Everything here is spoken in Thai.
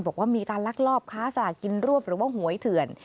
บอกว่ามีการลักลอบค้าสลากกินรวบหรือว่าหวยเถื่อน